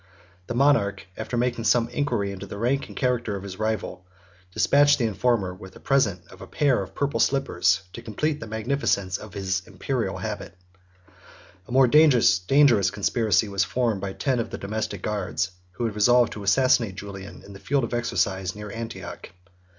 The monarch, after making some inquiry into the rank and character of his rival, despatched the informer with a present of a pair of purple slippers, to complete the magnificence of his Imperial habit. A more dangerous conspiracy was formed by ten of the domestic guards, who had resolved to assassinate Julian in the field of exercise near Antioch.